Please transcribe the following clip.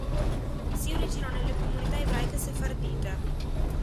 Si originò nelle comunità ebraiche sefardite.